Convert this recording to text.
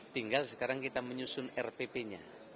tinggal sekarang kita menyusun rpp nya